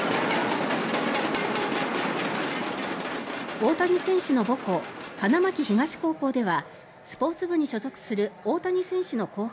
大谷選手の母校花巻東高校ではスポーツ部に所属する大谷選手の後輩